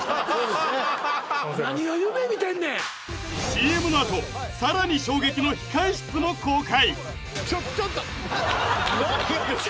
何を夢見てんねんＣＭのあとさらに衝撃の控え室も公開